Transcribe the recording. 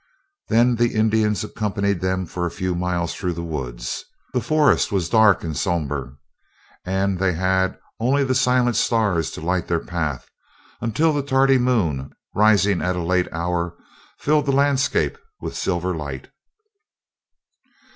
Then the Indians accompanied them for a few miles through the woods. The forest was dark and sombre, and they had only the silent stars to light their path, until the tardy moon, rising at a late hour, filled the landscape with silver light.